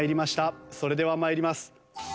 それでは参ります。